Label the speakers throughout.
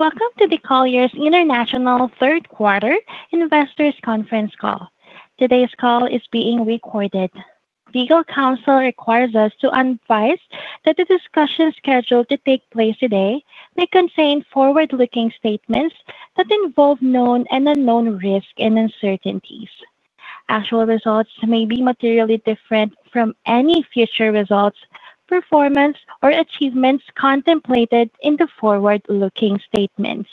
Speaker 1: Welcome to the Colliers International third quarter investors conference call. Today's call is being recorded. Legal counsel requires us to advise that the discussions scheduled to take place today may contain forward-looking statements that involve known and unknown risk and uncertainties. Actual results may be materially different from any future results, performance, or achievements contemplated in the forward-looking statements.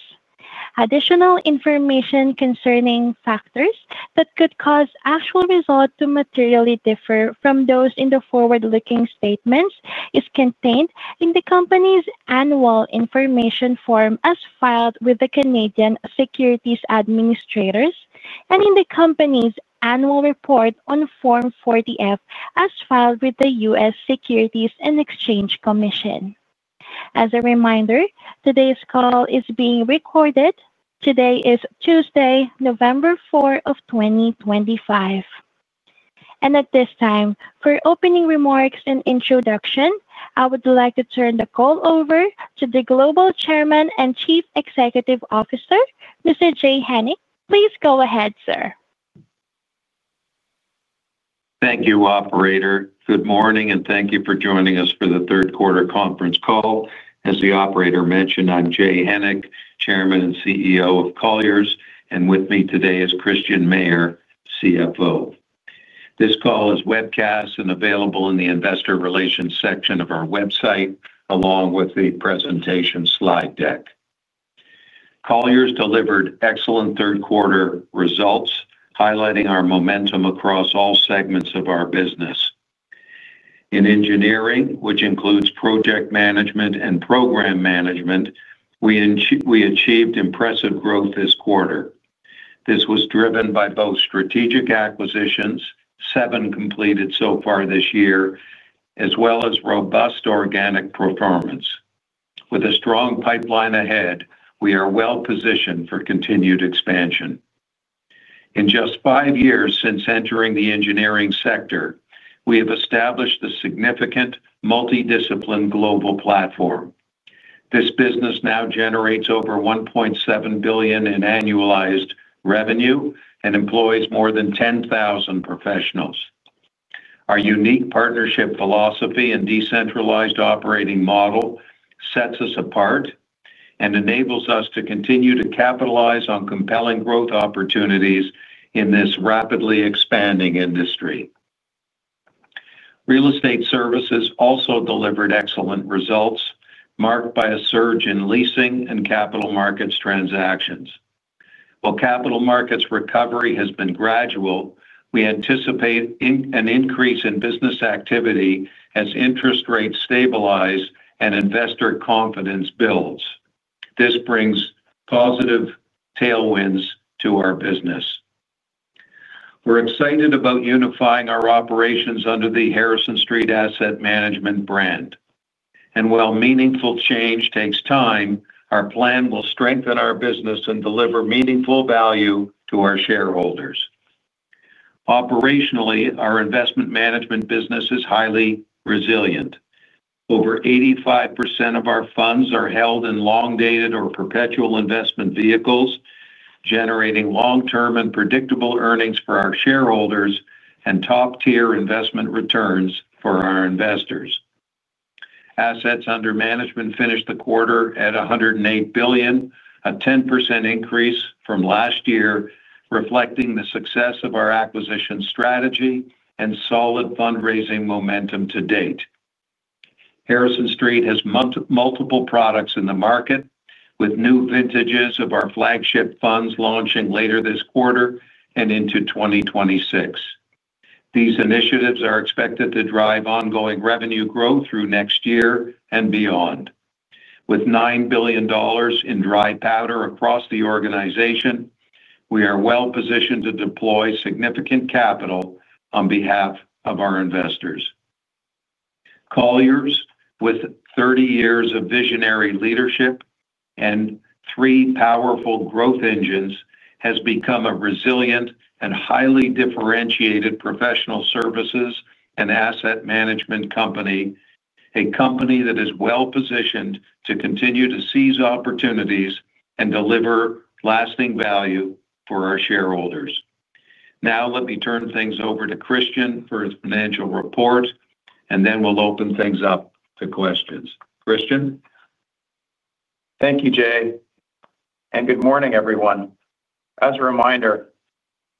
Speaker 1: Additional information concerning factors that could cause actual results to materially differ from those in the forward-looking statements is contained in the company's annual information form as filed with the Canadian Securities Administrators and in the company's annual report on Form 40F as filed with the U.S. Securities and Exchange Commission. As a reminder, today's call is being recorded. Today is Tuesday, November 4, 2025. And at this time, for opening remarks and introduction, I would like to turn the call over to the Global Chairman and Chief Executive Officer, Mr. Jay Hennick. Please go ahead, sir.
Speaker 2: Thank you, Operator. Good morning, and thank you for joining us for the Third Quarter Conference Call. As the Operator mentioned, I'm Jay Hennick, Chairman and CEO of Colliers, and with me today is Christian Mayer, CFO. This call is webcast and available in the Investor Relations section of our website, along with the presentation slide deck. Colliers delivered excellent third-quarter results, highlighting our momentum across all segments of our business. In engineering, which includes project management and program management, we achieved impressive growth this quarter. This was driven by both strategic acquisitions, seven completed so far this year, as well as robust organic performance. With a strong pipeline ahead, we are well-positioned for continued expansion. In just five years since entering the engineering sector, we have established a significant multidisciplined global platform. This business now generates over $1.7 billion in annualized revenue and employs more than 10,000 professionals. Our unique partnership philosophy and decentralized operating model sets us apart and enables us to continue to capitalize on compelling growth opportunities in this rapidly expanding industry. Real estate services also delivered excellent results, marked by a surge in leasing and capital markets transactions. While capital markets recovery has been gradual, we anticipate an increase in business activity as interest rates stabilize and investor confidence builds. This brings positive tailwinds to our business. We're excited about unifying our operations under the Harrison Street Asset Management brand. And while meaningful change takes time, our plan will strengthen our business and deliver meaningful value to our shareholders. Operationally, our investment management business is highly resilient. Over 85% of our funds are held in long-dated or perpetual investment vehicles, generating long-term and predictable earnings for our shareholders and top-tier investment returns for our investors. Assets under management finished the quarter at $108 billion, a 10% increase from last year, reflecting the success of our acquisition strategy and solid fundraising momentum to date. Harrison Street has multiple products in the market, with new vintages of our flagship funds launching later this quarter and into 2026. These initiatives are expected to drive ongoing revenue growth through next year and beyond. With $9 billion in dry powder across the organization, we are well-positioned to deploy significant capital on behalf of our investors. Colliers, with 30 years of visionary leadership and three powerful growth engines, has become a resilient and highly differentiated professional services and asset management company. A company that is well-positioned to continue to seize opportunities and deliver lasting value for our shareholders. Now, let me turn things over to Christian for his financial report, and then we'll open things up to questions. Christian.
Speaker 3: Thank you, Jay. And good morning, everyone. As a reminder,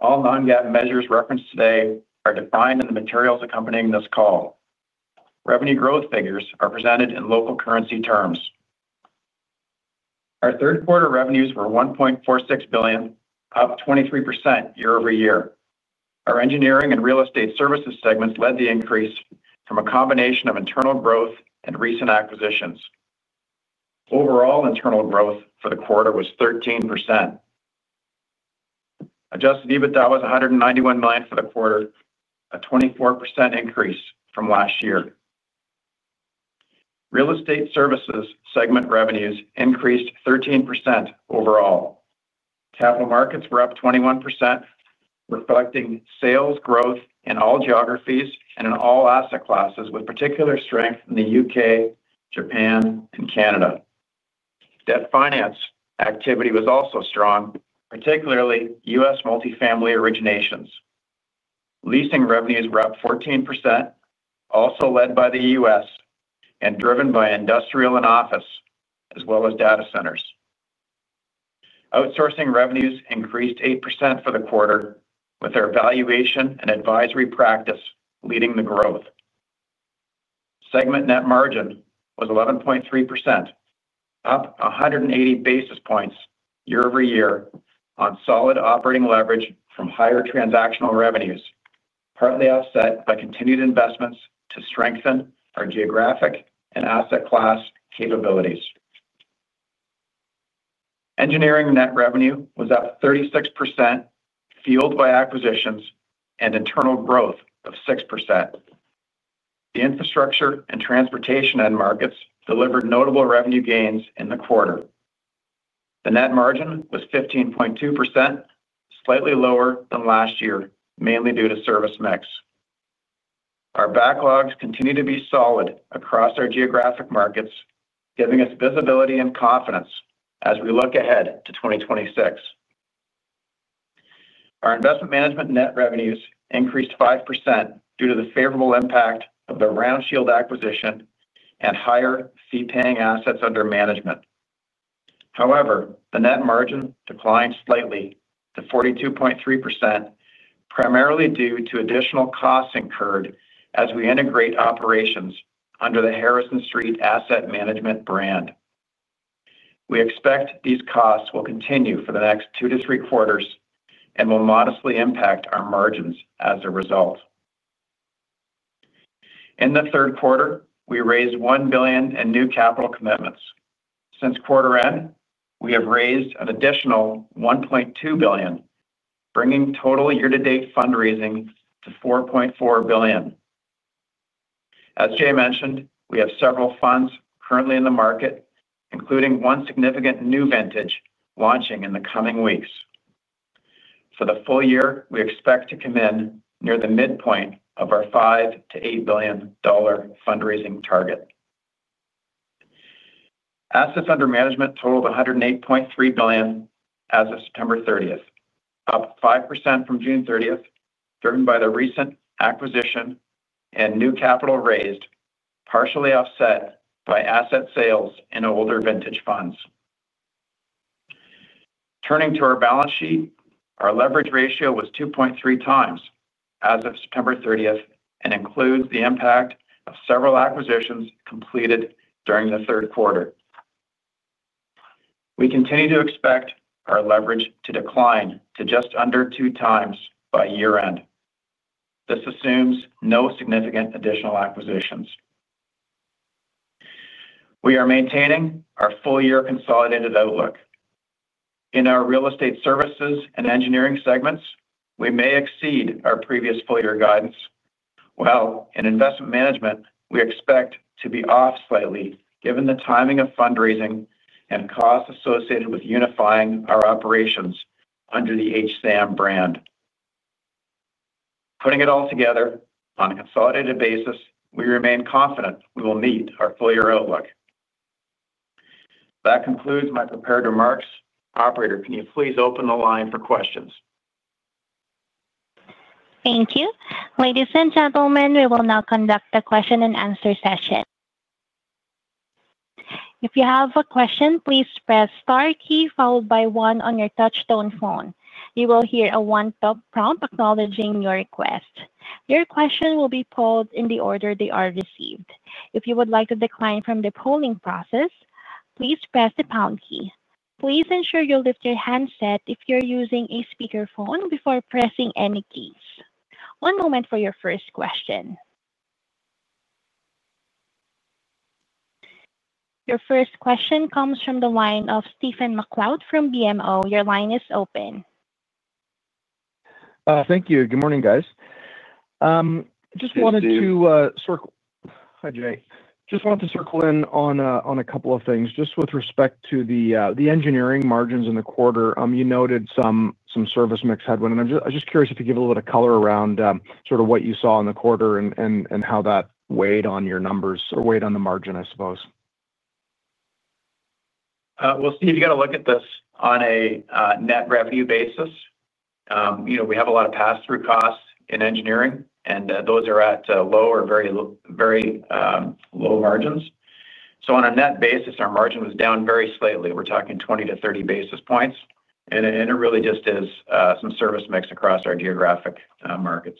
Speaker 3: all non-GAAP measures referenced today are defined in the materials accompanying this call. Revenue growth figures are presented in local currency terms. Our third-quarter revenues were $1.46 billion, up 23% year over year. Our engineering and real estate services segments led the increase from a combination of internal growth and recent acquisitions. Overall internal growth for the quarter was 13%. Adjusted EBITDA was $191 million for the quarter, a 24% increase from last year. Real estate services segment revenues increased 13% overall. Capital markets were up 21%. Reflecting sales growth in all geographies and in all asset classes, with particular strength in the U.K., Japan, and Canada. Debt finance activity was also strong, particularly U.S. multifamily originations. Leasing revenues were up 14%. Also led by the U.S. and driven by industrial and office, as well as data centers. Outsourcing revenues increased 8% for the quarter, with their valuation and advisory practice leading the growth. Segment net margin was 11.3%. Up 180 basis points year over year on solid operating leverage from higher transactional revenues, partly offset by continued investments to strengthen our geographic and asset class capabilities. Engineering net revenue was up 36%, fueled by acquisitions and internal growth of 6%. The infrastructure and transportation end markets delivered notable revenue gains in the quarter. The net margin was 15.2%, slightly lower than last year, mainly due to service mix. Our backlogs continue to be solid across our geographic markets, giving us visibility and confidence as we look ahead to 2026. Our investment management net revenues increased 5% due to the favorable impact of the Roundshield acquisition and higher fee-paying assets under management. However, the net margin declined slightly to 42.3%. Primarily due to additional costs incurred as we integrate operations under the Harrison Street Asset Management brand. We expect these costs will continue for the next two to three quarters and will modestly impact our margins as a result. In the third quarter, we raised $1 billion in new capital commitments. Since quarter end, we have raised an additional $1.2 billion, bringing total year-to-date fundraising to $4.4 billion. As Jay mentioned, we have several funds currently in the market, including one significant new vintage launching in the coming weeks. For the full year, we expect to come in near the midpoint of our $5 to $8 billion fundraising target. Assets under management totaled $108.3 billion as of September 30, up 5% from June 30, driven by the recent acquisition and new capital raised, partially offset by asset sales in older vintage funds. Turning to our balance sheet, our leverage ratio was 2.3 times as of September 30 and includes the impact of several acquisitions completed during the third quarter. We continue to expect our leverage to decline to just under two times by year-end. This assumes no significant additional acquisitions. We are maintaining our full-year consolidated outlook. In our real estate services and engineering segments, we may exceed our previous full-year guidance. While in investment management, we expect to be off slightly given the timing of fundraising and costs associated with unifying our operations under the HSAM brand. Putting it all together, on a consolidated basis, we remain confident we will meet our full-year outlook. That concludes my prepared remarks. Operator, can you please open the line for questions?
Speaker 1: Thank you. Ladies and gentlemen, we will now conduct the question-and-answer session. If you have a question, please press star key followed by one on your touch-tone phone. You will hear a tone acknowledging your request. Your question will be queued in the order they are received. If you would like to decline from the queuing process, please press the pound key. Please ensure you lift your handset if you're using a speakerphone before pressing any keys. One moment for your first question. Your first question comes from the line of Stephen McLeod from BMO. Your line is open.
Speaker 4: Thank you. Good morning, guys. Just wanted to.
Speaker 2: Thank you.
Speaker 4: Hi, Jay. Just wanted to circle back on a couple of things. Just with respect to the engineering margins in the quarter, you noted some service mix headwind, and I'm just curious if you could give a little bit of color around sort of what you saw in the quarter and how that weighed on your numbers or weighed on the margin, I suppose.
Speaker 3: Well, Steve, you got to look at this on a net revenue basis. We have a lot of pass-through costs in engineering, and those are at low or very low margins. So on a net basis, our margin was down very slightly. We're talking 20 to 30 basis points. And it really just is some service mix across our geographic markets.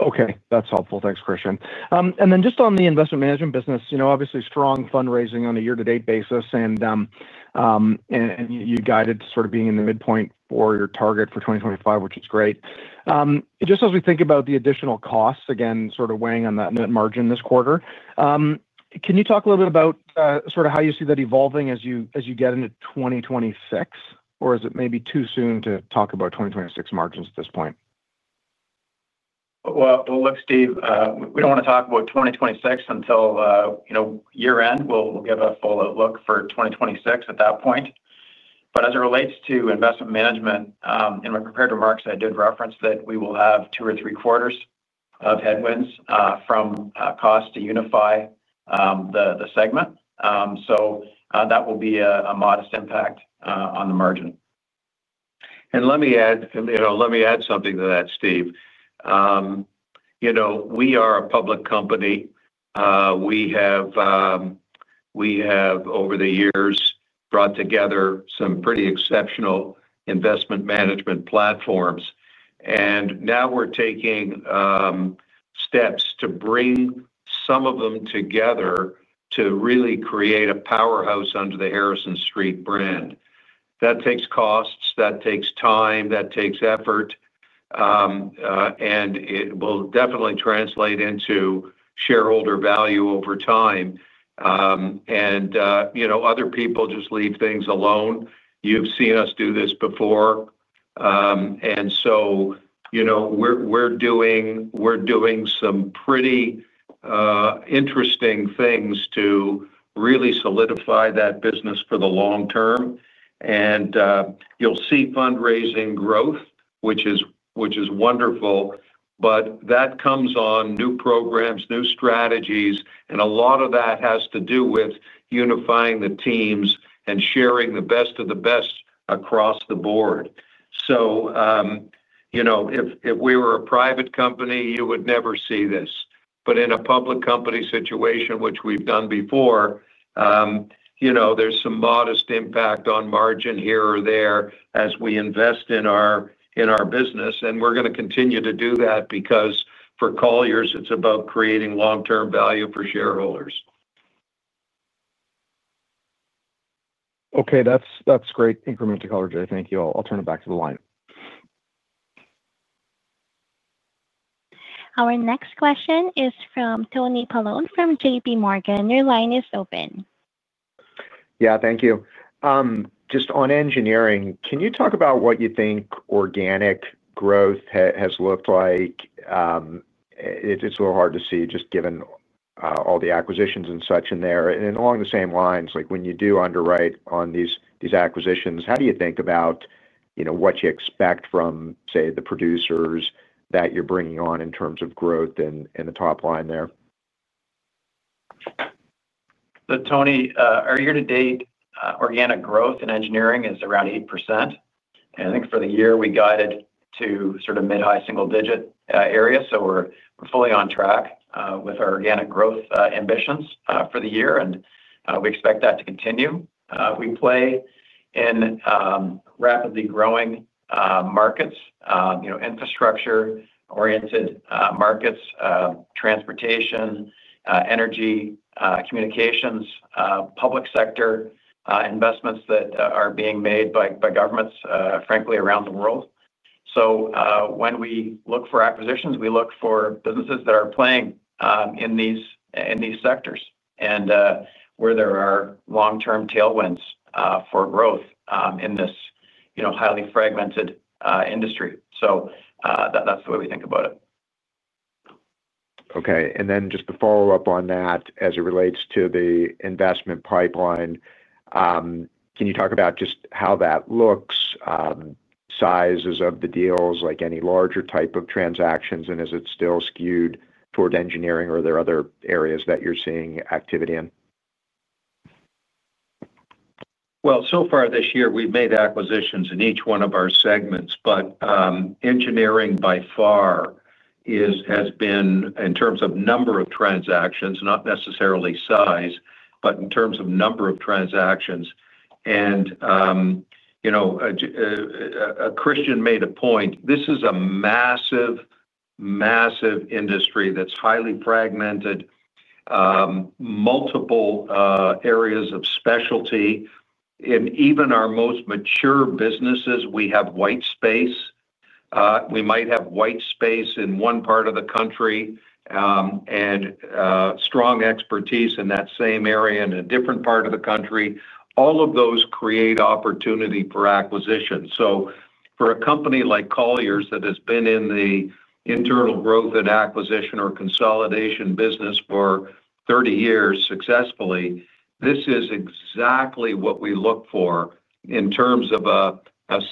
Speaker 4: Okay. That's helpful. Thanks, Christian. And then just on the investment management business, obviously strong fundraising on a year-to-date basis. You guided to sort of being in the midpoint for your target for 2025, which is great. Just as we think about the additional costs, again, sort of weighing on that net margin this quarter. Can you talk a little bit about sort of how you see that evolving as you get into 2026? Or is it maybe too soon to talk about 2026 margins at this point?
Speaker 3: Well, look, Steve, we don't want to talk about 2026 until year-end. We'll give a full outlook for 2026 at that point. But as it relates to investment management, in my prepared remarks, I did reference that we will have two or three quarters of headwinds from cost to unify the segment. So that will be a modest impact on the margin.
Speaker 2: And let me add something to that, Steve. We are a public company. We have over the years brought together some pretty exceptional investment management platforms. And now we're taking steps to bring some of them together to really create a powerhouse under the Harrison Street brand. That takes costs. That takes time. That takes effort. And it will definitely translate into shareholder value over time. And other people just leave things alone. You've seen us do this before. And so we're doing some pretty interesting things to really solidify that business for the long term. And you'll see fundraising growth, which is wonderful, but that comes on new programs, new strategies. And a lot of that has to do with unifying the teams and sharing the best of the best across the board. So if we were a private company, you would never see this. But in a public company situation, which we've done before, there's some modest impact on margin here or there as we invest in our business. And we're going to continue to do that because for Colliers, it's about creating long-term value for shareholders.
Speaker 4: Okay. That's great incremental color, Jay. Thank you all. I'll turn it back to the line.
Speaker 1: Our next question is from Tony Paolone from J.P. Morgan. Your line is open.
Speaker 5: Yeah. Thank you. Just on engineering, can you talk about what you think organic growth has looked like? It's a little hard to see just given all the acquisitions and such in there. And along the same lines, when you do underwrite on these acquisitions, how do you think about what you expect from, say, the producers that you're bringing on in terms of growth and the top line there?
Speaker 2: Tony, our year-to-date organic growth in engineering is around 8%. And I think for the year, we guided to sort of mid-high single-digit areas. So we're fully on track with our organic growth ambitions for the year. And we expect that to continue. We play in rapidly growing markets, infrastructure-oriented markets. Transportation, energy, communications, public sector investments that are being made by governments, frankly, around the world. So when we look for acquisitions, we look for businesses that are playing in these sectors and where there are long-term tailwinds for growth in this highly fragmented industry. So that's the way we think about it.
Speaker 5: Okay. And then just to follow up on that, as it relates to the investment pipeline. Can you talk about just how that looks? Sizes of the deals, like any larger type of transactions? And is it still skewed toward engineering, or are there other areas that you're seeing activity in?
Speaker 2: Well, so far this year, we've made acquisitions in each one of our segments. But engineering, by far, has been in terms of number of transactions, not necessarily size, but in terms of number of transactions. And Christian made a point. This is a massive industry that's highly fragmented. Multiple areas of specialty. In even our most mature businesses, we have white space. We might have white space in one part of the country. And strong expertise in that same area in a different part of the country. All of those create opportunity for acquisition. So for a company like Colliers that has been in the internal growth and acquisition or consolidation business for 30 years successfully, this is exactly what we look for in terms of a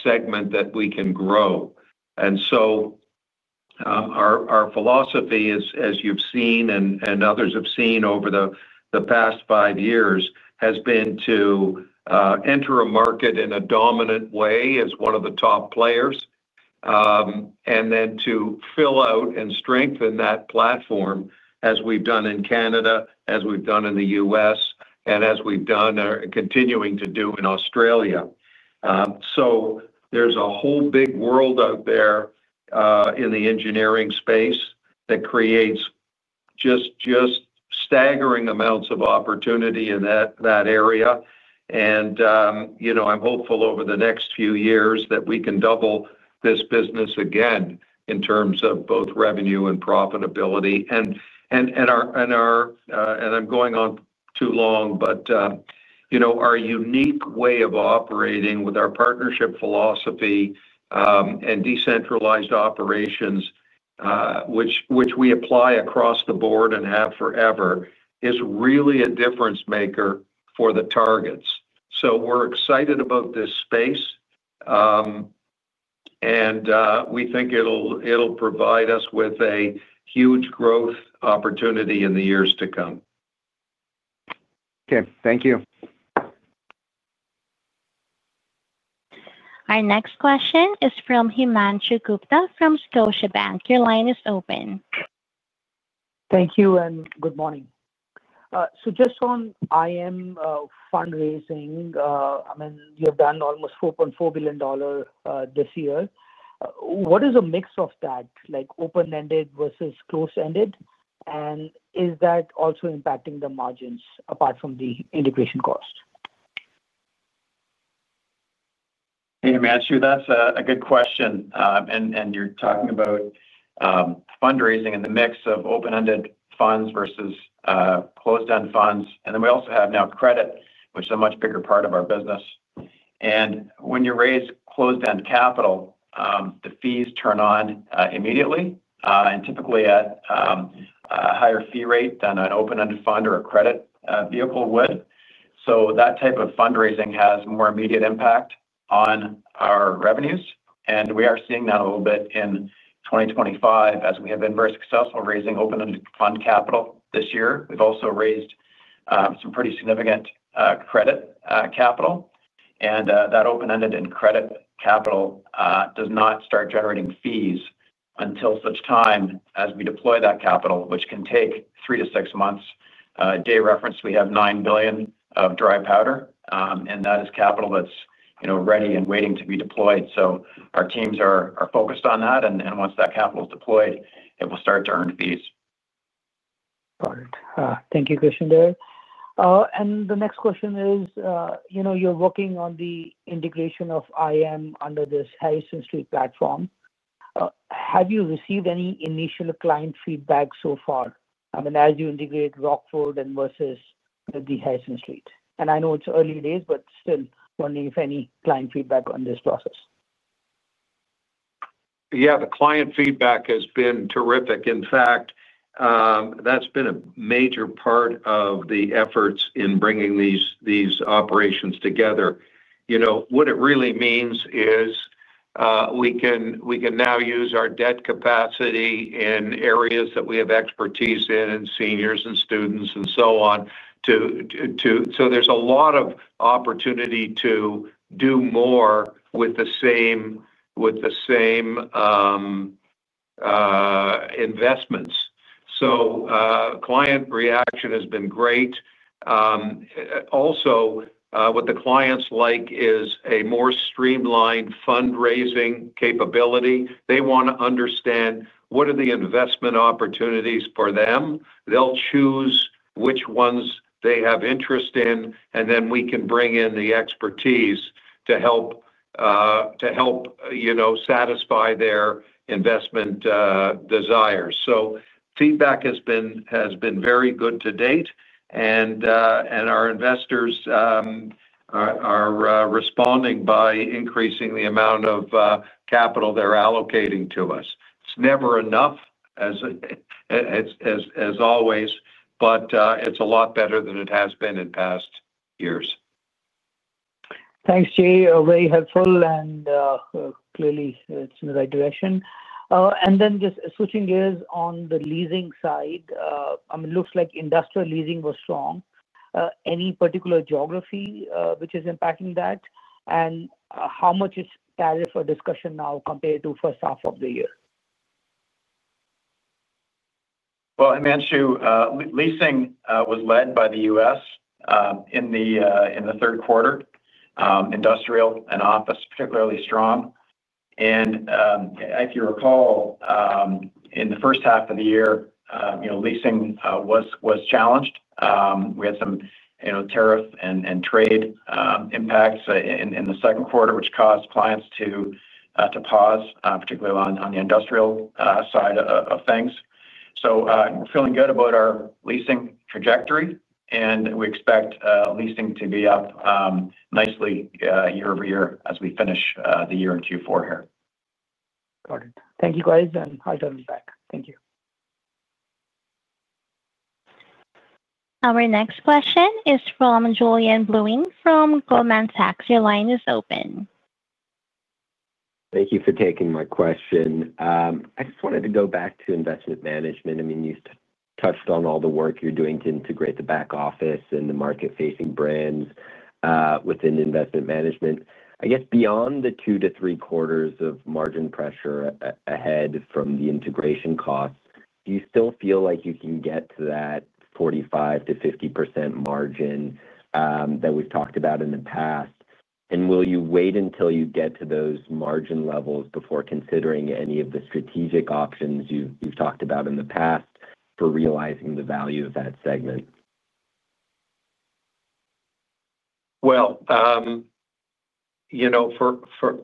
Speaker 2: segment that we can grow. And so our philosophy, as you've seen and others have seen over the past five years, has been to enter a market in a dominant way as one of the top players. And then to fill out and strengthen that platform as we've done in Canada, as we've done in the U.S., and as we've done and continuing to do in Australia. So there's a whole big world out there in the engineering space that creates just staggering amounts of opportunity in that area. And I'm hopeful over the next few years that we can double this business again in terms of both revenue and profitability. And I'm going on too long, but our unique way of operating with our partnership philosophy and decentralized operations, which we apply across the board and have forever, is really a difference maker for the targets. So we're excited about this space. And we think it'll provide us with a huge growth opportunity in the years to come.
Speaker 5: Okay. Thank you.
Speaker 1: Our next question is from Himanshu Gupta from Scotiabank. Your line is open.
Speaker 6: Thank you and good morning. So just on IAM fundraising, I mean, you have done almost $4.4 billion this year. What is the mix of that, open-ended versus closed-end? And is that also impacting the margins apart from the integration cost?
Speaker 3: Hey, Himanshu, that's a good question, and you're talking about fundraising and the mix of open-ended funds versus closed-end funds, and then we also have now credit, which is a much bigger part of our business. And when you raise closed-end capital, the fees turn on immediately and typically at a higher fee rate than an open-ended fund or a credit vehicle would, so that type of fundraising has more immediate impact on our revenues, and we are seeing that a little bit in 2025 as we have been very successful raising open-ended fund capital this year. We've also raised some pretty significant credit capital, and that open-ended and credit capital does not start generating fees until such time as we deploy that capital, which can take three to six months. For reference, we have $9 billion of dry powder, and that is capital that's ready and waiting to be deployed, so our teams are focused on that, and once that capital is deployed, it will start to earn fees.
Speaker 6: Got it. Thank you, Christian. And the next question is. You're working on the integration of IAM under this Harrison Street platform. Have you received any initial client feedback so far? I mean, as you integrate Rockford versus the Harrison Street. And I know it's early days, but still wondering if any client feedback on this process.
Speaker 2: Yeah. The client feedback has been terrific. In fact. That's been a major part of the efforts in bringing these operations together. What it really means is. We can now use our debt capacity in areas that we have expertise in, seniors and students and so on. So there's a lot of opportunity to do more with the same. Investments. So client reaction has been great. Also, what the clients like is a more streamlined fundraising capability. They want to understand what are the investment opportunities for them. They'll choose which ones they have interest in. And then we can bring in the expertise to help. Satisfy their investment. Desires. So feedback has been very good to date. And our investors. Are responding by increasing the amount of. Capital they're allocating to us. It's never enough. As always, but it's a lot better than it has been in past years.
Speaker 6: Thanks, Jay. Very helpful. Clearly, it's in the right direction. And then just switching gears on the leasing side, I mean, it looks like industrial leasing was strong. Any particular geography which is impacting that? And how much is tariff a discussion now compared to first half of the year?
Speaker 3: Himanshu, leasing was led by the U.S. in the third quarter. Industrial and office particularly strong and if you recall in the first half of the year, leasing was challenged. We had some tariff and trade impacts in the second quarter, which caused clients to pause, particularly on the industrial side of things, so we're feeling good about our leasing trajectory and we expect leasing to be up nicely year over year as we finish the year in Q4 here.
Speaker 6: Got it. Thank you, guys. And I'll turn it back. Thank you.
Speaker 1: Our next question is from Julien Blouin from Goldman Sachs. Your line is open.
Speaker 7: Thank you for taking my question. I just wanted to go back to investment management. I mean, you touched on all the work you're doing to integrate the back office and the market-facing brands within investment management. I guess beyond the two to three quarters of margin pressure ahead from the integration costs, do you still feel like you can get to that 45%-50% margin that we've talked about in the past? And will you wait until you get to those margin levels before considering any of the strategic options you've talked about in the past for realizing the value of that segment?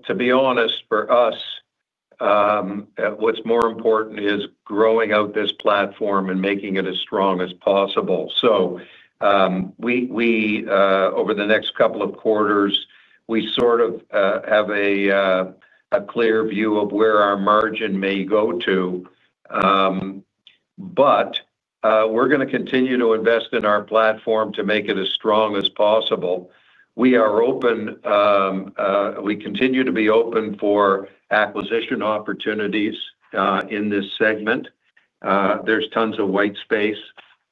Speaker 2: To be honest, for us, what's more important is growing out this platform and making it as strong as possible. So, over the next couple of quarters, we sort of have a clear view of where our margin may go to. But we're going to continue to invest in our platform to make it as strong as possible. We continue to be open for acquisition opportunities in this segment. There's tons of white space,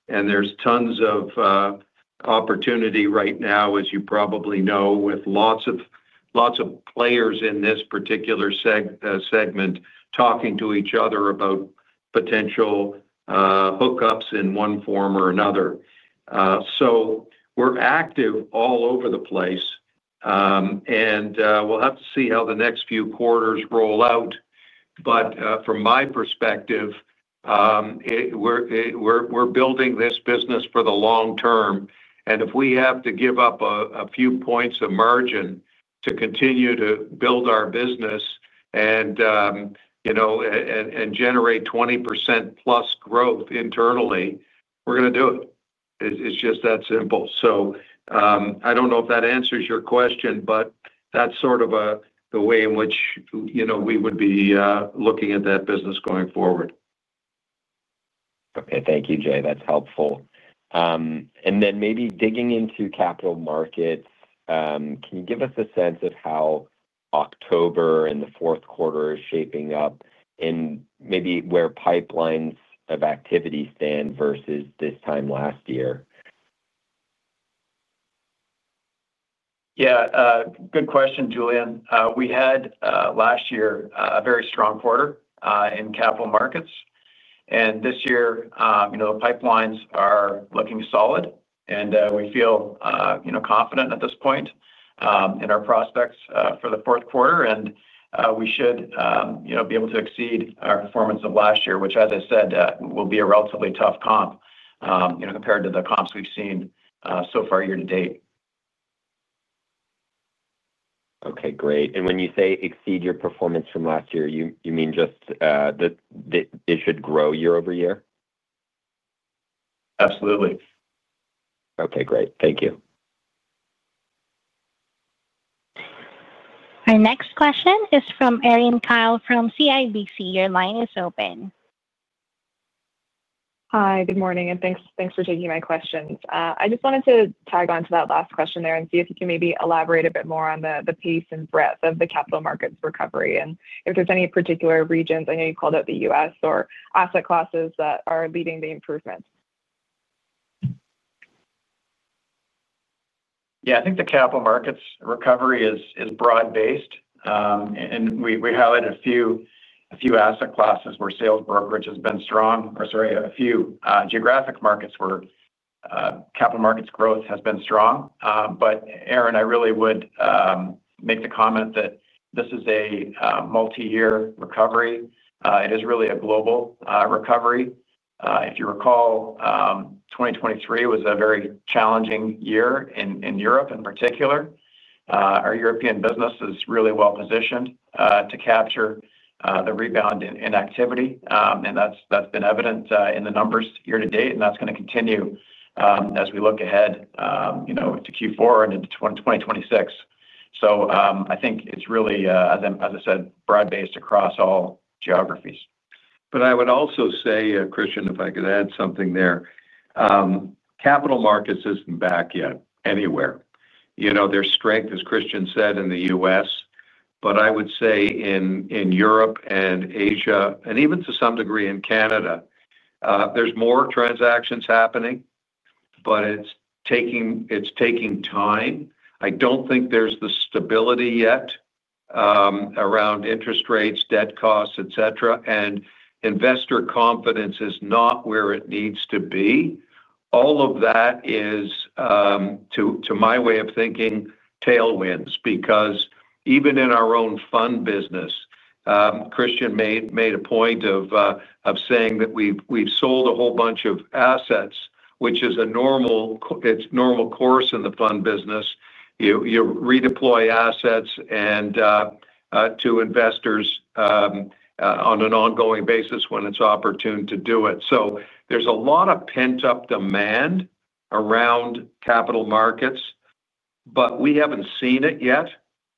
Speaker 2: and there's tons of opportunity right now, as you probably know, with lots of players in this particular segment talking to each other about potential hookups in one form or another. So we're active all over the place. And we'll have to see how the next few quarters roll out. But from my perspective, we're building this business for the long term. And if we have to give up a few points of margin to continue to build our business and generate 20% plus growth internally, we're going to do it. It's just that simple. So I don't know if that answers your question, but that's sort of the way in which we would be looking at that business going forward.
Speaker 7: Okay. Thank you, Jay. That's helpful. And then maybe digging into capital markets, can you give us a sense of how October and the fourth quarter is shaping up. And maybe where pipelines of activity stand versus this time last year?
Speaker 3: Yeah. Good question, Julien. We had last year a very strong quarter in capital markets. And this year, the pipelines are looking solid. And we feel confident at this point in our prospects for the fourth quarter. And we should be able to exceed our performance of last year, which, as I said, will be a relatively tough comp compared to the comps we've seen so far year to date.
Speaker 7: Okay. Great. And when you say exceed your performance from last year, you mean just that it should grow year over year?
Speaker 3: Absolutely.
Speaker 7: Okay. Great. Thank you.
Speaker 1: Our next question is from Erin Kyle from CIBC. Your line is open.
Speaker 8: Hi. Good morning, and thanks for taking my questions. I just wanted to tag on to that last question there and see if you can maybe elaborate a bit more on the pace and breadth of the capital markets recovery, and if there's any particular regions, I know you called out the U.S. or asset classes that are leading the improvements?
Speaker 3: Yeah. I think the capital markets recovery is broad-based, and we highlighted a few asset classes where sales brokerage has been strong. Or sorry, a few geographic markets where capital markets growth has been strong. But Erin, I really would make the comment that this is a multi-year recovery. It is really a global recovery. If you recall, 2023 was a very challenging year in Europe in particular. Our European business is really well-positioned to capture the rebound in activity. And that's been evident in the numbers year to date. And that's going to continue as we look ahead to Q4 and into 2026. So I think it's really, as I said, broad-based across all geographies.
Speaker 2: But I would also say, Christian, if I could add something there. Capital Markets isn't back yet anywhere. Their strength, as Christian said, in the U.S., but I would say in Europe and Asia, and even to some degree in Canada, there's more transactions happening, but it's taking time. I don't think there's the stability yet around interest rates, debt costs, etc. And investor confidence is not where it needs to be. All of that is, to my way of thinking, tailwinds because even in our own fund business. Christian made a point of saying that we've sold a whole bunch of assets, which is a normal course in the fund business. You redeploy assets and to investors on an ongoing basis when it's opportune to do it. So there's a lot of pent-up demand around Capital Markets, but we haven't seen it yet.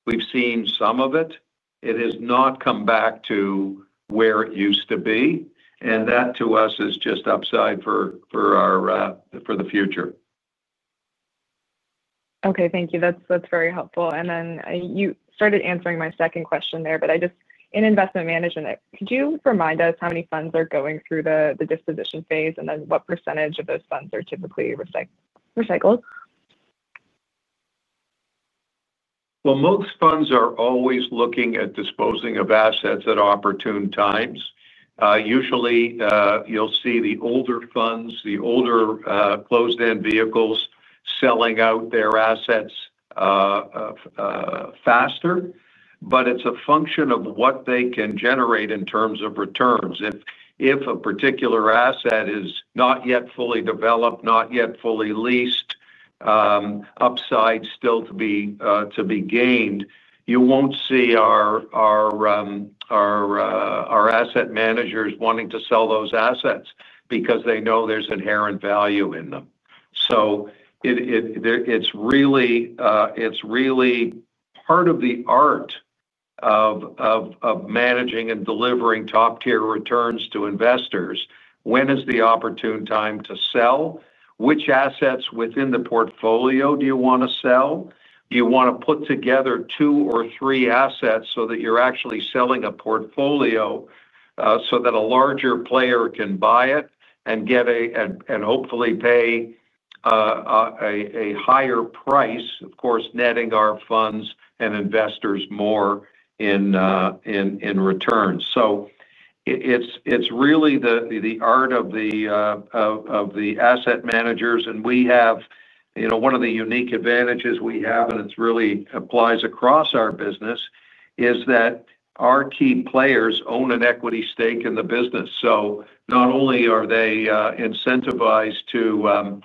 Speaker 2: We've seen some of it. It has not come back to where it used to be. And that, to us, is just upside for the future.
Speaker 8: Okay. Thank you. That's very helpful. And then you started answering my second question there, but I just, in investment management, could you remind us how many funds are going through the disposition phase and then what percentage of those funds are typically recycled?
Speaker 2: Well, most funds are always looking at disposing of assets at opportune times. Usually, you'll see the older funds, the older closed-end vehicles, selling out their assets faster. But it's a function of what they can generate in terms of returns. If a particular asset is not yet fully developed, not yet fully leased, upside still to be gained, you won't see our asset managers wanting to sell those assets because they know there's inherent value in them. So it's really part of the art of managing and delivering top-tier returns to investors. When is the opportune time to sell? Which assets within the portfolio do you want to sell? Do you want to put together two or three assets so that you're actually selling a portfolio so that a larger player can buy it and hopefully pay a higher price, of course, netting our funds and investors more in returns? So it's really the art of the asset managers. And we have one of the unique advantages we have, and it really applies across our business, is that our key players own an equity stake in the business. So not only are they incentivized to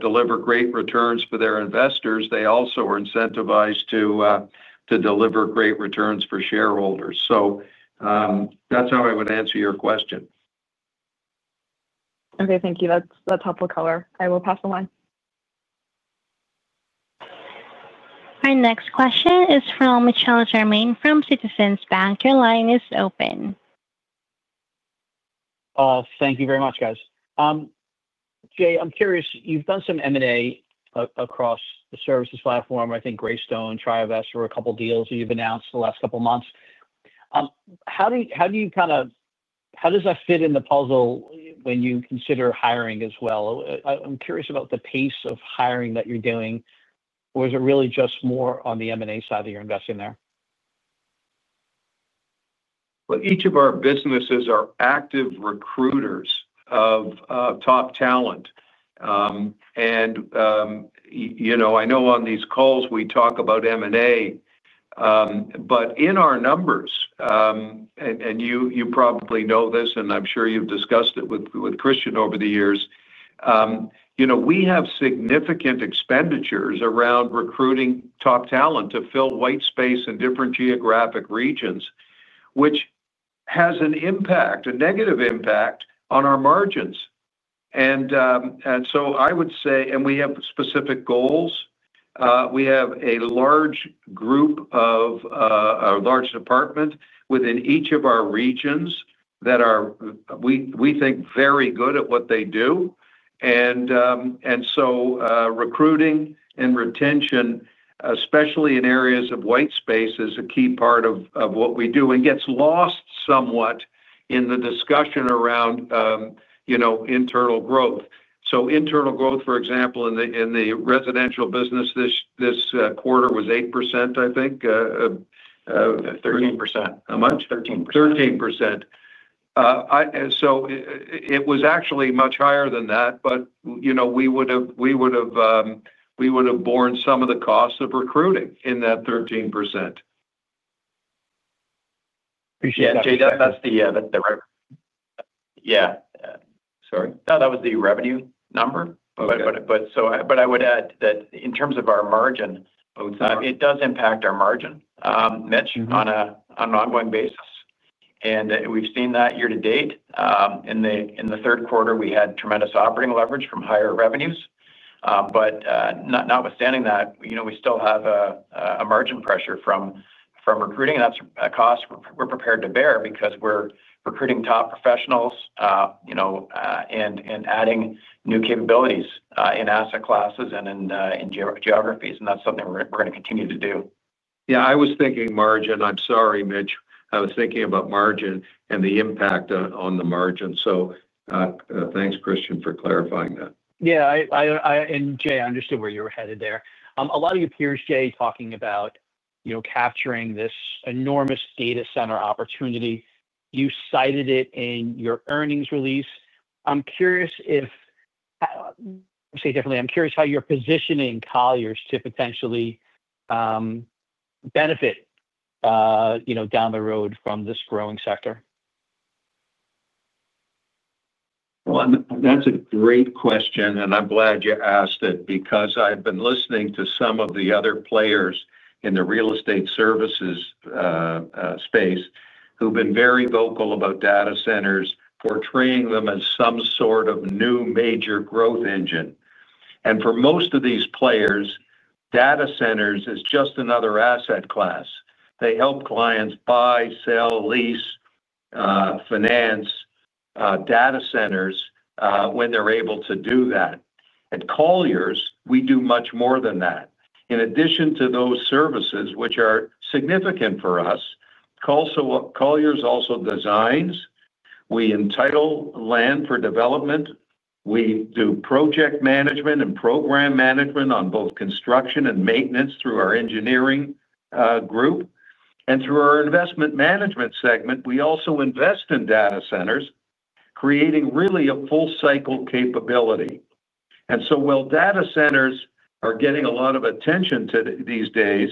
Speaker 2: deliver great returns for their investors, they also are incentivized to deliver great returns for shareholders. So that's how I would answer your question.
Speaker 8: Okay. Thank you. That's helpful color. I will pass the line.
Speaker 1: Our next question is from Michelle Germain from Citizens Bank. Your line is open.
Speaker 9: Thank you very much, guys. Jay, I'm curious. You've done some M&A across the services platform. I think Greystone, Triovest, were a couple of deals that you've announced the last couple of months. How do you kind of. How does that fit in the puzzle when you consider hiring as well? I'm curious about the pace of hiring that you're doing. Or is it really just more on the M&A side that you're investing there?
Speaker 2: Each of our businesses are active recruiters of top talent. I know on these calls we talk about M&A. But in our numbers, and you probably know this, and I'm sure you've discussed it with Christian over the years, we have significant expenditures around recruiting top talent to fill white space in different geographic regions, which has an impact, a negative impact on our margins. And so I would say, and we have specific goals. We have a large department within each of our regions that we think very good at what they do. And so recruiting and retention, especially in areas of white space, is a key part of what we do and gets lost somewhat in the discussion around internal growth. So internal growth, for example, in the residential business this quarter was 8%, I think. How much? 13%. So it was actually much higher than that, but we would have borne some of the costs of recruiting in that 13%.
Speaker 9: Appreciate that, Jay. That's the. Yeah. Sorry. That was the revenue number. But. So I would add that in terms of our margin, it does impact our margin, Michelle, on an ongoing basis. And we've seen that year to date. In the third quarter, we had tremendous operating leverage from higher revenues. But notwithstanding that, we still have a margin pressure from recruiting. And that's a cost we're prepared to bear because we're recruiting top professionals. And adding new capabilities in asset classes and in geographies. And that's something we're going to continue to do.
Speaker 2: Yeah. I was thinking margin. I'm sorry, Michelle. I was thinking about margin and the impact on the margin. So. Thanks, Christian, for clarifying that.
Speaker 9: Yeah. And, Jay, I understood where you were headed there. A lot of your peers, Jay, talking about capturing this enormous data center opportunity. You cited it in your earnings release. I'm curious if. Say it differently. I'm curious how you're positioning Colliers to potentially benefit down the road from this growing sector.
Speaker 2: Well, that's a great question. And I'm glad you asked it because I've been listening to some of the other players in the real estate services space who've been very vocal about data centers, portraying them as some sort of new major growth engine. And for most of these players, data centers is just another asset class. They help clients buy, sell, lease, finance data centers when they're able to do that. At Colliers, we do much more than that. In addition to those services, which are significant for us, Colliers also designs. We entitle land for development. We do project management and program management on both construction and maintenance through our engineering group. And through our investment management segment, we also invest in data centers, creating really a full-cycle capability. And so while data centers are getting a lot of attention these days,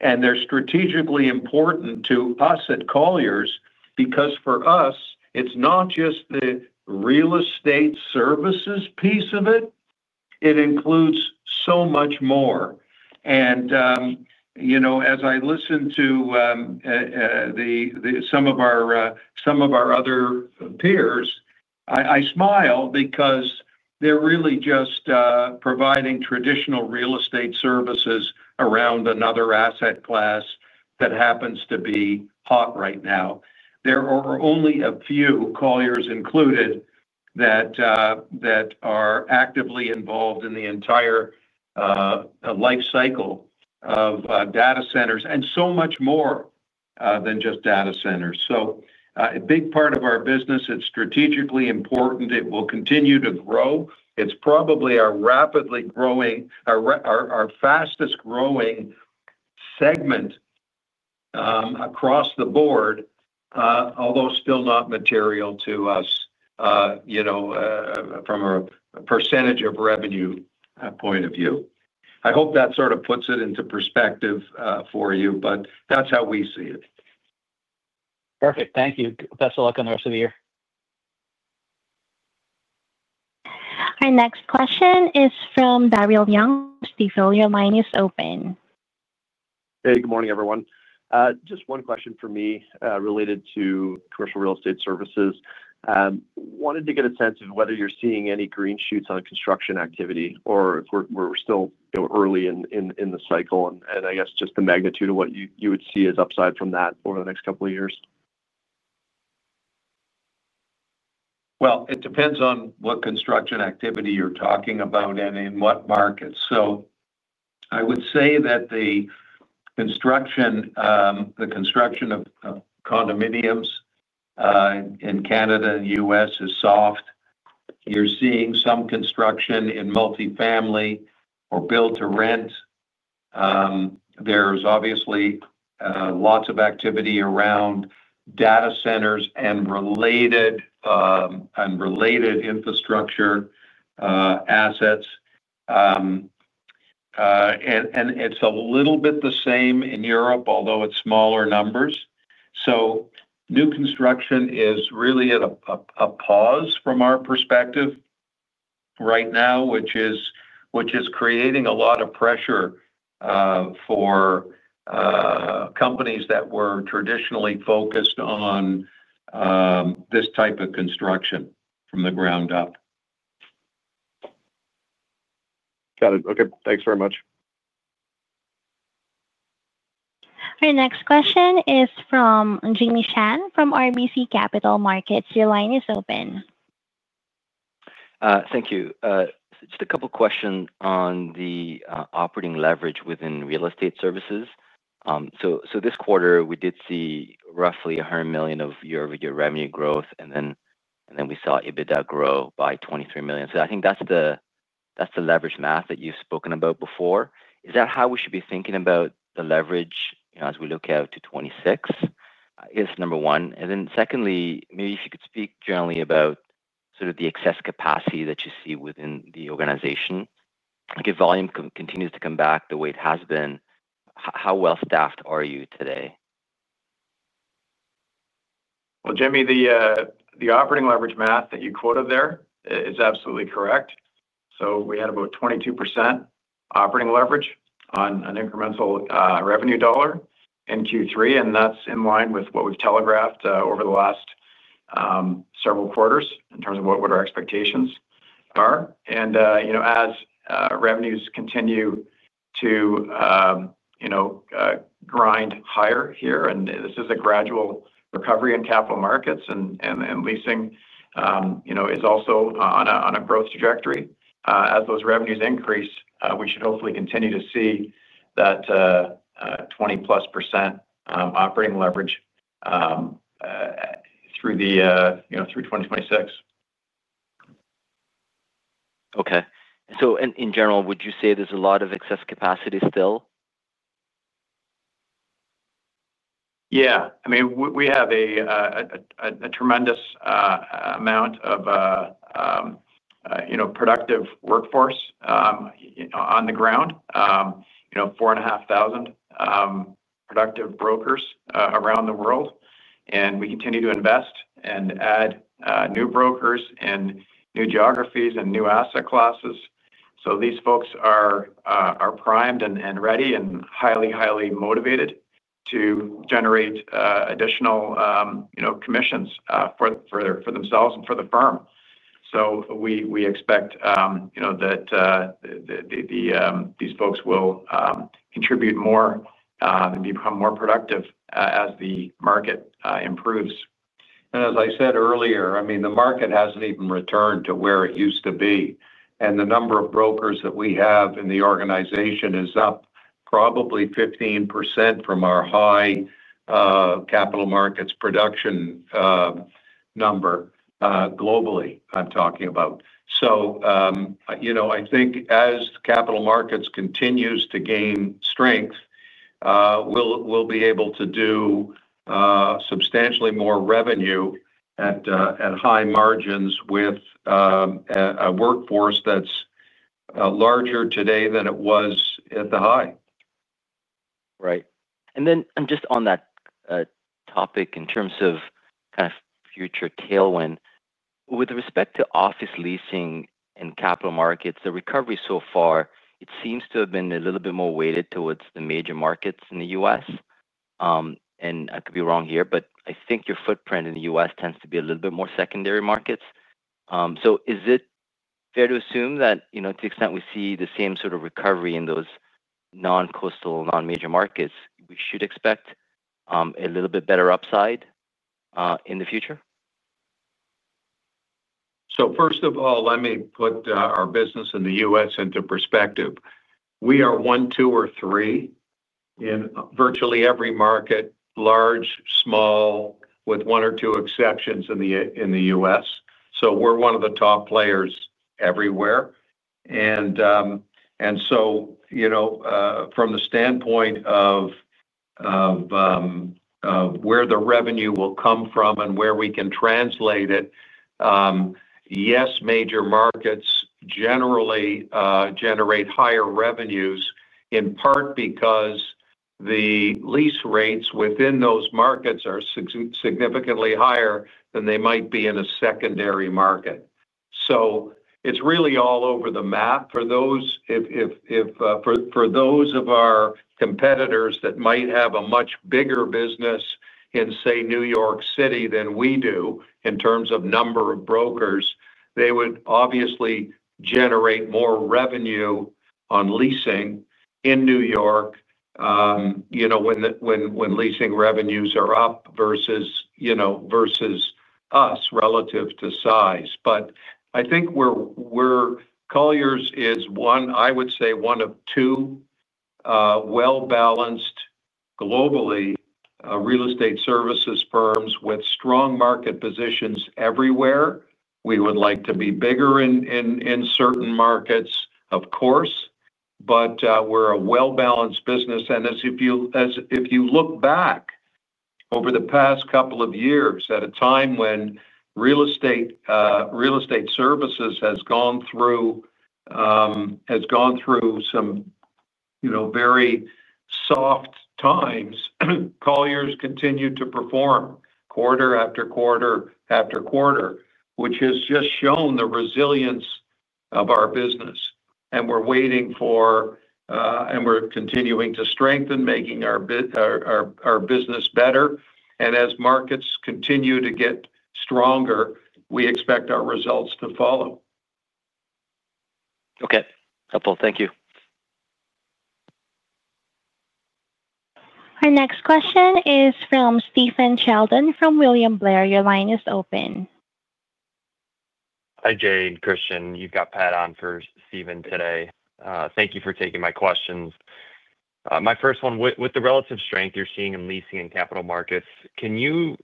Speaker 2: and they're strategically important to us at Colliers because for us, it's not just the real estate services piece of it. It includes so much more. And as I listen to some of our other peers, I smile because they're really just providing traditional real estate services around another asset class that happens to be hot right now. There are only a few, Colliers included, that are actively involved in the entire life cycle of data centers and so much more than just data centers. So a big part of our business, it's strategically important. It will continue to grow. It's probably our fastest-growing segment across the board, although still not material to us from a percentage of revenue point of view. I hope that sort of puts it into perspective for you, but that's how we see it.
Speaker 9: Perfect. Thank you. Best of luck on the rest of the year.
Speaker 1: Our next question is from Daryl Young. Daryl, your line is open.
Speaker 10: Hey, good morning, everyone. Just one question for me related to commercial real estate services. Wanted to get a sense of whether you're seeing any green shoots on construction activity or if we're still early in the cycle and I guess just the magnitude of what you would see as upside from that over the next couple of years.
Speaker 2: Well, it depends on what construction activity you're talking about and in what markets. So I would say that the construction of condominiums in Canada and the U.S. is soft. You're seeing some construction in multifamily or build-to-rent. There's obviously lots of activity around data centers and related infrastructure assets. And it's a little bit the same in Europe, although it's smaller numbers. So new construction is really at a pause from our perspective right now, which is creating a lot of pressure for companies that were traditionally focused on this type of construction from the ground up.
Speaker 10: Got it. Okay. Thanks very much.
Speaker 1: Our next question is from Jimmy Shan from RBC Capital Markets. Your line is open.
Speaker 11: Thank you. Just a couple of questions on the operating leverage within real estate services. So this quarter, we did see roughly $100 million of year-over-year revenue growth, and then we saw EBITDA grow by $23 million. So I think that's the leverage math that you've spoken about before. Is that how we should be thinking about the leverage as we look out to 2026? I guess number one. And then secondly, maybe if you could speak generally about sort of the excess capacity that you see within the organization. If volume continues to come back the way it has been, how well-staffed are you today?
Speaker 3: Well, Jimmy, the operating leverage math that you quoted there is absolutely correct. So we had about 22% operating leverage on an incremental revenue dollar in Q3, and that's in line with what we've telegraphed over the last several quarters in terms of what our expectations are. And as revenues continue to grind higher here, and this is a gradual recovery in capital markets, and leasing is also on a growth trajectory. As those revenues increase, we should hopefully continue to see that 20-plus% operating leverage through 2026.
Speaker 11: Okay. So in general, would you say there's a lot of excess capacity still?
Speaker 3: Yeah. I mean, we have a tremendous amount of productive workforce on the ground. 4,500 productive brokers around the world. And we continue to invest and add new brokers and new geographies and new asset classes. So these folks are primed and ready and highly, highly motivated to generate additional commissions for themselves and for the firm. So we expect that these folks will contribute more and become more productive as the market improves.
Speaker 2: As I said earlier, I mean, the market hasn't even returned to where it used to be. The number of brokers that we have in the organization is up probably 15% from our high Capital Markets production number globally, I'm talking about, so I think as Capital Markets continue to gain strength, we'll be able to do substantially more revenue at high margins with a workforce that's larger today than it was at the high.
Speaker 11: Right. And then just on that topic in terms of kind of future tailwind, with respect to office leasing and capital markets, the recovery so far, it seems to have been a little bit more weighted towards the major markets in the U.S. And I could be wrong here, but I think your footprint in the U.S. tends to be a little bit more secondary markets. So is it fair to assume that to the extent we see the same sort of recovery in those non-coastal, non-major markets, we should expect a little bit better upside in the future?
Speaker 2: So first of all, let me put our business in the U.S. into perspective. We are one, two, or three in virtually every market, large, small, with one or two exceptions in the U.S. So we're one of the top players everywhere. And so from the standpoint of where the revenue will come from and where we can translate it, yes, major markets generally generate higher revenues in part because the lease rates within those markets are significantly higher than they might be in a secondary market. So it's really all over the map. Those of our competitors that might have a much bigger business in, say, New York City than we do in terms of number of brokers, they would obviously generate more revenue on leasing in New York when leasing revenues are up versus us relative to size. But I think Colliers is, I would say, one of two well-balanced globally real estate services firms with strong market positions everywhere. We would like to be bigger in certain markets, of course, but we're a well-balanced business. And if you look back over the past couple of years at a time when real estate services has gone through some very soft times, Colliers continued to perform quarter after quarter after quarter, which has just shown the resilience of our business. And we're continuing to strengthen, making our business better. And as markets continue to get stronger, we expect our results to follow.
Speaker 11: Okay. Helpful. Thank you.
Speaker 1: Our next question is from Stephen Sheldon from William Blair. Your line is open.
Speaker 12: Hi, Jay and Christian. You've got Pat on for Stephen today. Thank you for taking my questions. My first one, with the relative strength you're seeing in leasing and capital markets, can you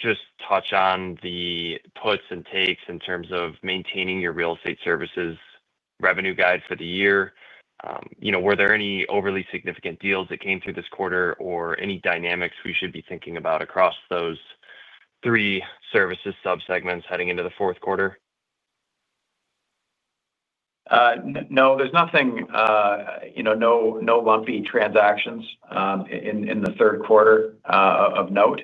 Speaker 12: just touch on the puts and takes in terms of maintaining your real estate services revenue guide for the year? Were there any overly significant deals that came through this quarter or any dynamics we should be thinking about across those three services subsegments heading into the fourth quarter?
Speaker 3: No, there's nothing. No lumpy transactions in the third quarter, of note.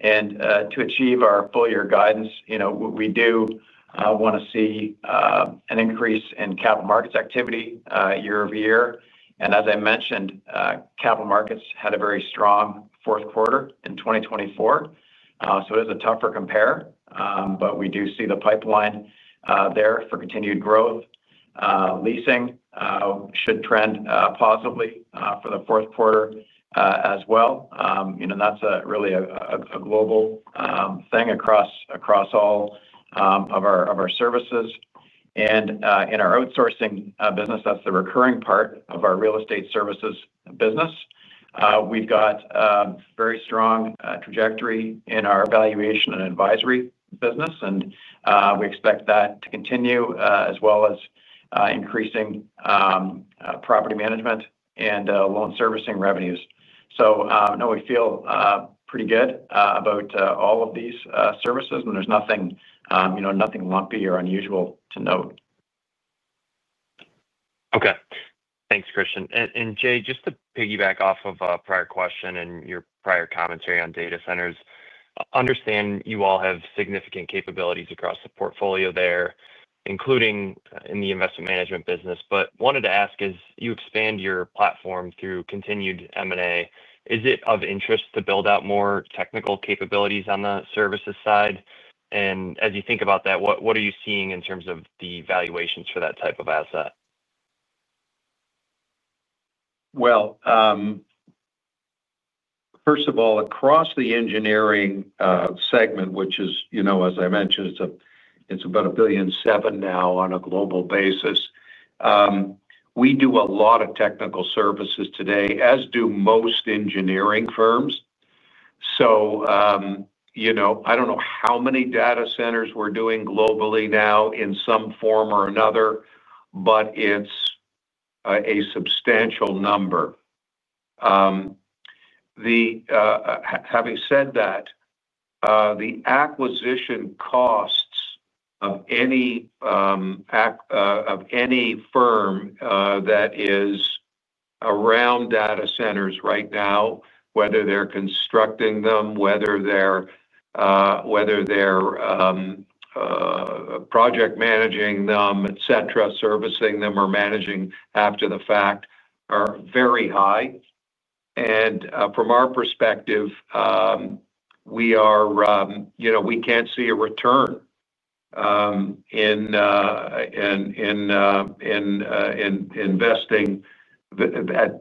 Speaker 3: And to achieve our full-year guidance, we do want to see an increase in Capital Markets activity year over year. And as I mentioned, Capital Markets had a very strong fourth quarter in 2024. So it is a tougher compare, but we do see the pipeline there for continued growth. Leasing should trend positively for the fourth quarter as well. That's really a global thing across all of our services. And in our Outsourcing business, that's the recurring part of our Real Estate Services business. We've got a very strong trajectory in our valuation and advisory business, and we expect that to continue as well as increasing property management and loan servicing revenues. So no, we feel pretty good about all of these services, and there's nothing lumpy or unusual to note.
Speaker 13: Okay. Thanks, Christian. And Jay, just to piggyback off of a prior question and your prior commentary on data centers, I understand you all have significant capabilities across the portfolio there, including in the investment management business. But I wanted to ask, as you expand your platform through continued M&A, is it of interest to build out more technical capabilities on the services side? And as you think about that, what are you seeing in terms of the valuations for that type of asset?
Speaker 2: Well, first of all, across the engineering segment, which is, as I mentioned, it's about $1.7 billion now on a global basis. We do a lot of technical services today, as do most engineering firms. So, I don't know how many data centers we're doing globally now in some form or another, but it's a substantial number. Having said that, the acquisition costs of any firm that is around data centers right now, whether they're constructing them, whether they're project managing them, etc., servicing them or managing after the fact, are very high. And from our perspective, we can't see a return in investing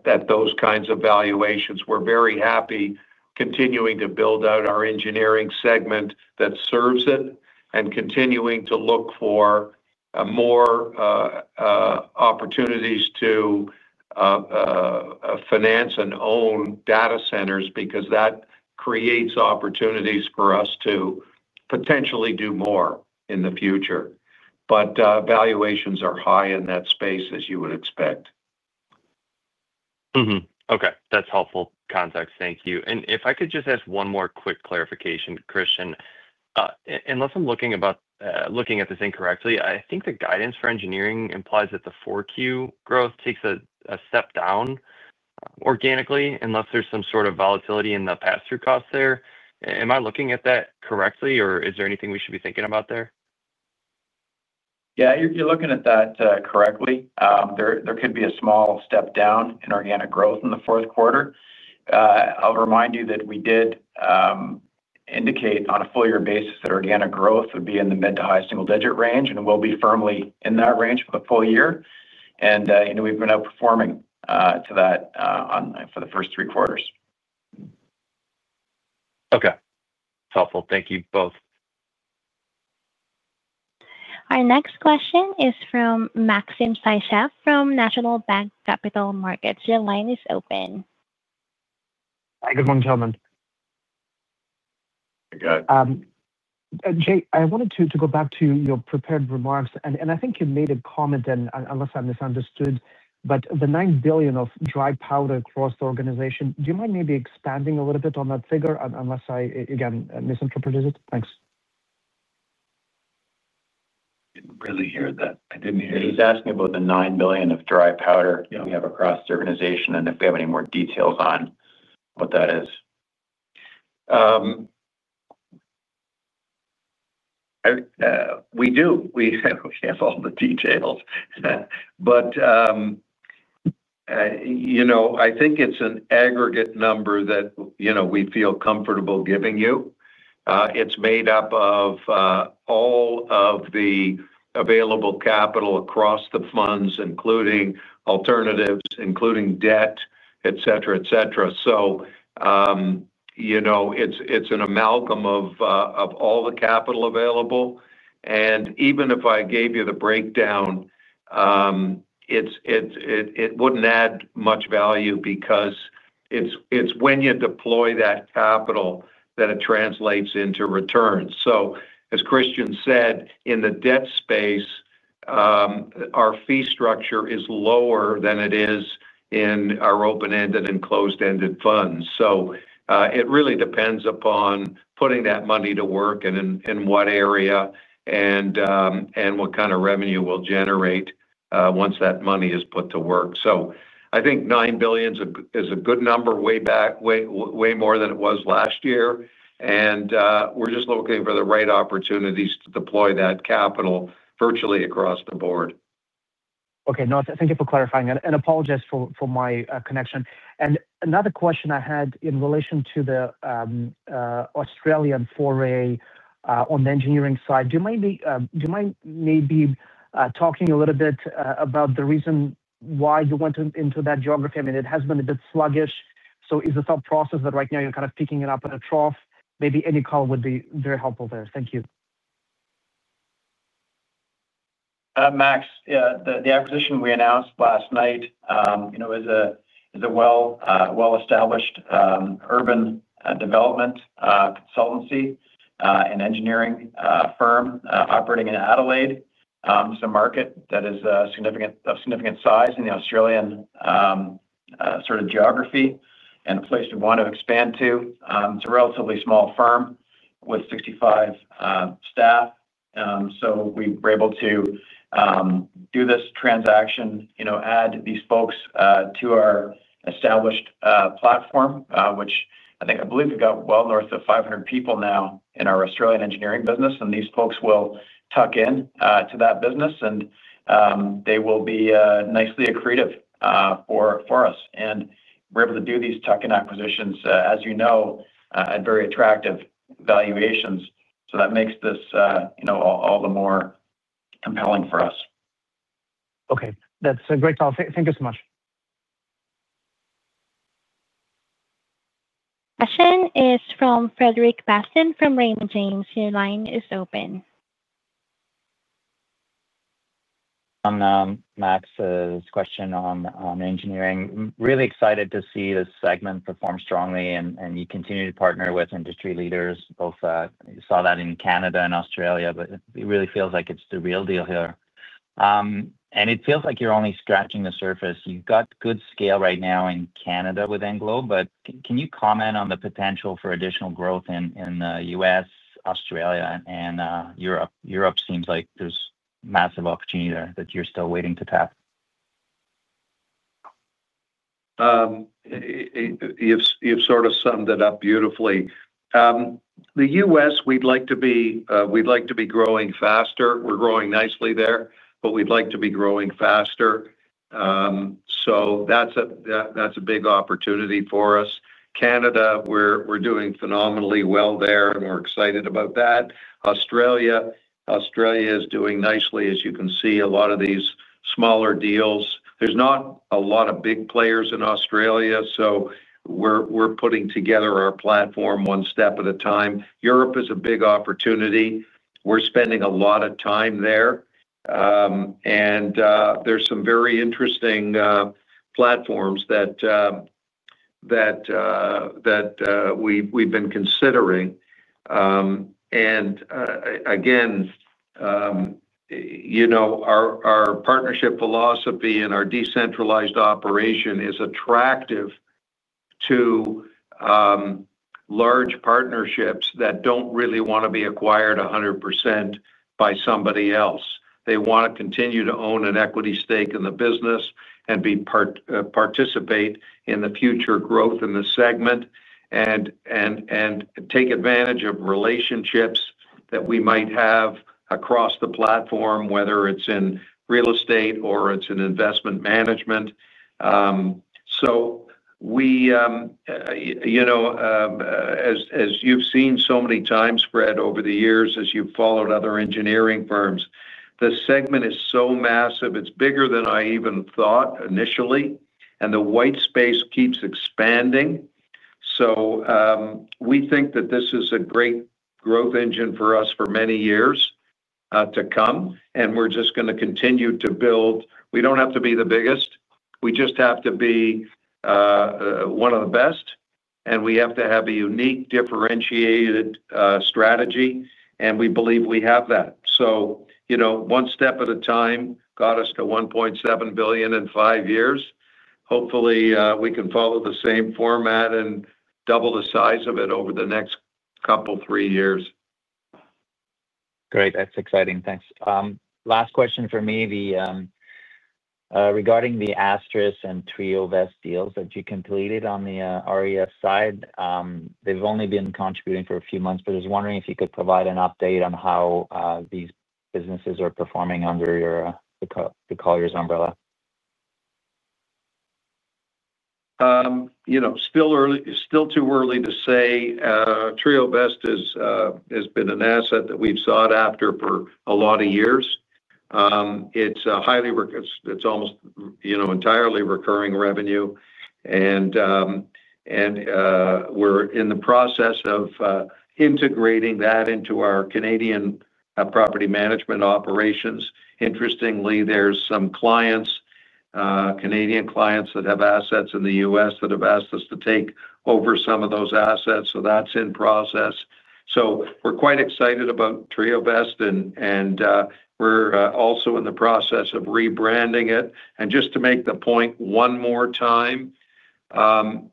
Speaker 2: at those kinds of valuations. We're very happy continuing to build out our engineering segment that serves it and continuing to look for more opportunities to finance and own data centers because that creates opportunities for us to potentially do more in the future but valuations are high in that space, as you would expect.
Speaker 13: Okay. That's helpful context. Thank you. And if I could just ask one more quick clarification, Christian. Unless I'm looking at this incorrectly, I think the guidance for engineering implies that the four-Q growth takes a step down organically unless there's some sort of volatility in the pass-through costs there. Am I looking at that correctly, or is there anything we should be thinking about there?
Speaker 3: Yeah. You're looking at that correctly. There could be a small step down in organic growth in the fourth quarter. I'll remind you that we did indicate on a full-year basis that organic growth would be in the mid to high single-digit range, and we'll be firmly in that range for the full year and we've been outperforming to that for the first three quarters.
Speaker 13: Okay. That's helpful. Thank you both.
Speaker 1: Our next question is from Maxim Sytchev from National Bank Capital Markets. Your line is open.
Speaker 14: Hi. Good morning, gentlemen.
Speaker 2: I got it.
Speaker 14: Jay, I wanted to go back to your prepared remarks. I think you made a comment, unless I misunderstood, but the $9 billion of dry powder across the organization, do you mind maybe expanding a little bit on that figure unless I, again, misinterpreted it? Thanks.
Speaker 2: I didn't really hear that. I didn't hear it.
Speaker 3: He was asking about the $9 billion of dry powder we have across the organization and if we have any more details on what that is.
Speaker 2: We do. We have all the details. But I think it's an aggregate number that we feel comfortable giving you. It's made up of all of the available capital across the funds, including alternatives, including debt, etc., etc. So it's an amalgam of all the capital available. And even if I gave you the breakdown, it wouldn't add much value because it's when you deploy that capital that it translates into returns. So as Christian said, in the debt space, our fee structure is lower than it is in our open-ended and closed-ended funds. So it really depends upon putting that money to work and in what area and what kind of revenue we'll generate once that money is put to work. So I think $9 billion is a good number, way more than it was last year. And we're just looking for the right opportunities to deploy that capital virtually across the board.
Speaker 14: Okay. No, thank you for clarifying and apologize for my connection, and another question I had in relation to the Australian foray on the engineering side. Do you mind maybe talking a little bit about the reason why you went into that geography? I mean, it has been a bit sluggish, so is it a thought process that right now you're kind of picking it up at a trough? Maybe any color would be very helpful there. Thank you.
Speaker 2: Max, yeah, the acquisition we announced last night is a well-established urban development consultancy and engineering firm operating in Adelaide. It's a market that is of significant size in the Australian sort of geography and a place we want to expand to. It's a relatively small firm with 65 staff. So we were able to do this transaction, add these folks to our established platform, which I believe we've got well north of 500 people now in our Australian engineering business. And these folks will tuck into that business, and they will be nicely accretive for us. And we're able to do these tuck-in acquisitions, as you know, at very attractive valuations. So that makes this all the more compelling for us.
Speaker 14: Okay. That's a great call. Thank you so much.
Speaker 1: Question is from Frederic Bastien from Raymond James. Your line is open.
Speaker 15: On Max's question on engineering. Really excited to see this segment perform strongly and you continue to partner with industry leaders. You saw that in Canada and Australia, but it really feels like it's the real deal here. And it feels like you're only scratching the surface. You've got good scale right now in Canada with Englobe. But can you comment on the potential for additional growth in the U.S., Australia, and Europe? Europe seems like there's massive opportunity there that you're still waiting to tap.
Speaker 2: You've sort of summed it up beautifully. The U.S., we'd like to be—we'd like to be growing faster. We're growing nicely there, but we'd like to be growing faster, so that's a big opportunity for us. Canada, we're doing phenomenally well there, and we're excited about that. Australia is doing nicely, as you can see, a lot of these smaller deals. There's not a lot of big players in Australia, so we're putting together our platform one step at a time. Europe is a big opportunity. We're spending a lot of time there, and there's some very interesting platforms that we've been considering. And again, our partnership philosophy and our decentralized operation is attractive to large partnerships that don't really want to be acquired 100% by somebody else. They want to continue to own an equity stake in the business and participate in the future growth in the segment and take advantage of relationships that we might have across the platform, whether it's in real estate or it's in investment management, so as you've seen so many times spread over the years, as you've followed other engineering firms, the segment is so massive. It's bigger than I even thought initially, and the white space keeps expanding, so we think that this is a great growth engine for us for many years to come, and we're just going to continue to build. We don't have to be the biggest. We just have to be one of the best, and we have to have a unique differentiated strategy, and we believe we have that, so one step at a time got us to 1.7 billion in five years. Hopefully, we can follow the same format and double the size of it over the next couple, three years.
Speaker 15: Great. That's exciting. Thanks. Last question for me. Regarding the Asterisk and Triovest deals that you completed on the REF side, they've only been contributing for a few months, but I was wondering if you could provide an update on how these businesses are performing under the Colliers umbrella.
Speaker 2: Still too early to say. Triovest has been an asset that we've sought after for a lot of years. It's almost entirely recurring revenue. And we're in the process of integrating that into our Canadian property management operations. Interestingly, there's some Canadian clients that have assets in the U.S. that have asked us to take over some of those assets. So that's in process. So we're quite excited about Triovest, and we're also in the process of rebranding it. And just to make the point one more time,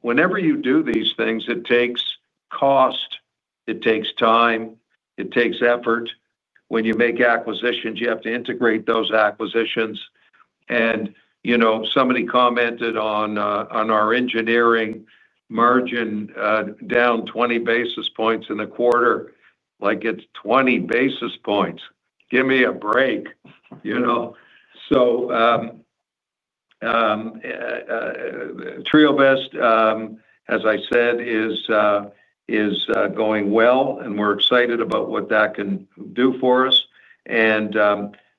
Speaker 2: whenever you do these things, it takes cost, it takes time, it takes effort. When you make acquisitions, you have to integrate those acquisitions. And somebody commented on our engineering margin down 20 basis points in the quarter. Like it's 20 basis points. Give me a break. So Triovest, as I said, is going well, and we're excited about what that can do for us. And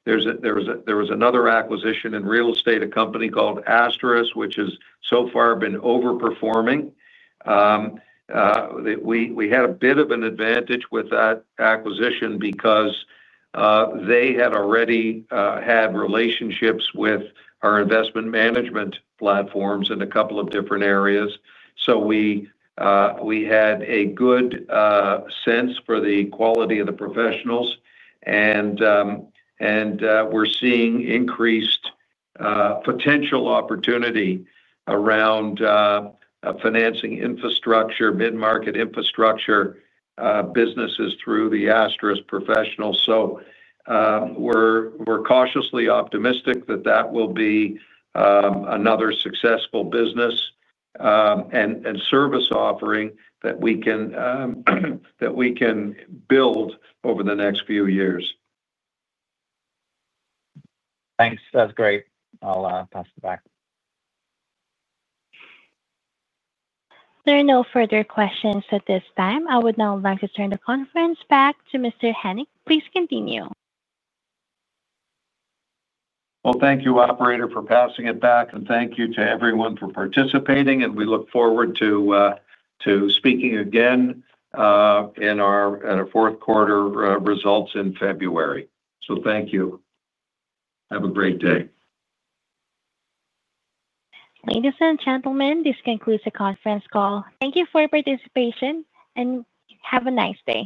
Speaker 2: there was another acquisition in real estate, a company called Asterisk, which has so far been overperforming. We had a bit of an advantage with that acquisition because they had already had relationships with our investment management platforms in a couple of different areas. So we had a good sense for the quality of the professionals. And we're seeing increased potential opportunity around financing infrastructure, mid-market infrastructure businesses through the Asterisk professionals. So we're cautiously optimistic that that will be another successful business and service offering that we can build over the next few years.
Speaker 15: Thanks. That's great. I'll pass it back.
Speaker 1: There are no further questions at this time. I would now like to turn the conference back to Mr. Hennick. Please continue.
Speaker 2: Well, thank you, operator, for passing it back. And thank you to everyone for participating. And we look forward to speaking again in our fourth quarter results in February. So thank you. Have a great day.
Speaker 1: Ladies and gentlemen, this concludes the conference call. Thank you for your participation, and have a nice day.